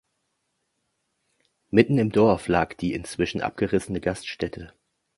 Mitten im Dorf lag die inzwischen abgerissene Gaststätte.